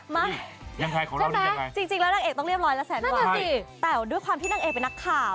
มายังไงใช่ไหมจริงแล้วนางเอกต้องเรียบร้อยแล้วแสนนั่นแหละสิแต่ด้วยความที่นางเอกเป็นนักข่าว